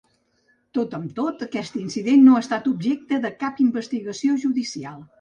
Tot amb tot, aquest incident no ha estat objecte de cap investigació judicial.